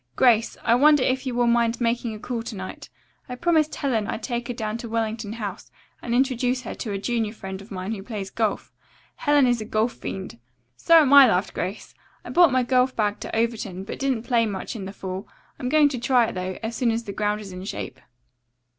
Grace, I wonder if you will mind making a call to night. I promised Helen I'd take her down to Wellington House and introduce her to a junior friend of mine who plays golf. Helen is a golf fiend." "So am I," laughed Grace. "I brought my golf bag to Overton, but didn't play much in the fall. I'm going to try it, though, as soon as the ground is in shape."